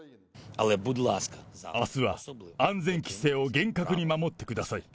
あすは安全規制を厳格に守ってください。